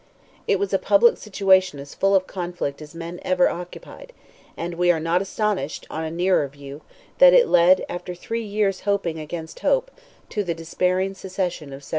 It was a public situation as full of conflict as man ever occupied, and we are not astonished, on a nearer view, that it led, after three years hoping against hope, to the despairing secession of 1797.